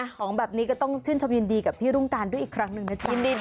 ของแบบนี้ก็ต้องชื่นชมยินดีกับพี่รุ่งการด้วยอีกครั้งหนึ่งนะจิ้น